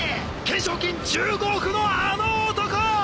懸賞金１５億のあの男！